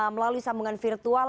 melalui sambungan virtual